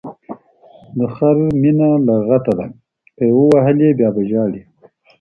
د خر مینه لګته ده، که یې ووهلی بیا به ژاړی.